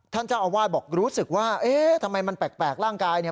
ท่านเจ้าอาวาสบอกรู้สึกว่าเอ๊ะทำไมมันแปลกร่างกาย